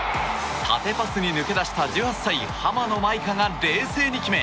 縦パスに抜け出した１８歳、浜野まいかが冷静に決め